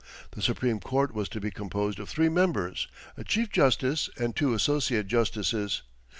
The Supreme Court was to be composed of three members a chief justice and two associate justices.